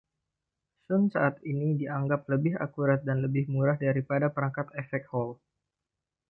Shunt saat ini dianggap lebih akurat dan lebih murah daripada perangkat efek Hall.